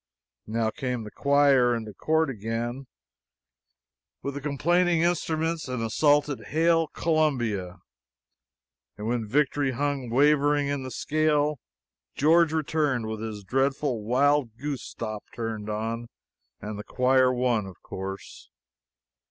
Now came the choir into court again, with the complaining instruments, and assaulted "Hail Columbia"; and when victory hung wavering in the scale, George returned with his dreadful wild goose stop turned on and the choir won, of course.